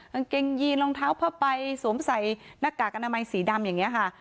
กางเกงยีนรองเท้าผ้าใบสวมใส่หน้ากากอนามัยสีดำอย่างนี้ค่ะ